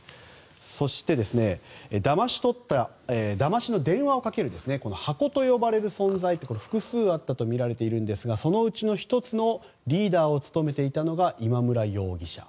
そして、だましの電話をかけるハコと呼ばれる存在は複数あったとみられていますがそのうちの１つのリーダーを務めていたのが今村容疑者。